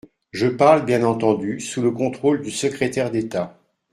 Je parle bien entendu sous le contrôle du secrétaire d’État.